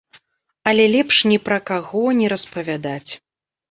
Але лепш ні пра каго не распавядаць.